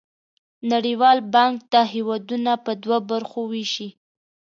نړیوال بانک دا هېوادونه په دوه برخو ویشي.